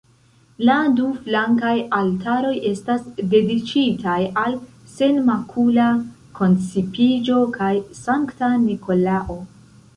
La du flankaj altaroj estas dediĉitaj al Senmakula Koncipiĝo kaj Sankta Nikolao.